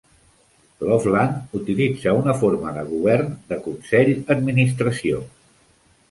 Loveland utilitza una forma de govern de consell-administració.